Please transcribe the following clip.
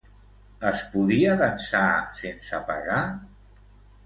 Es podia dansar sense pagar?